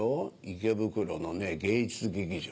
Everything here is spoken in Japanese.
池袋のね芸術劇場。